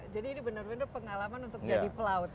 jadi ini benar benar pengalaman untuk jadi pelaut